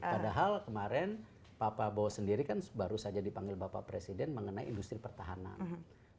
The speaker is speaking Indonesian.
padahal kemarin pak prabowo sendiri kan baru saja dipanggil bapak presiden mengenai industri pertahanan